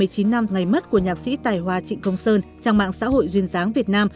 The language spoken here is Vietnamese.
mới đây nhân kỷ niệm một mươi chín năm ngày mất của nhạc sĩ tài hoa trịnh công sơn trang mạng xã hội duyên dáng việt nam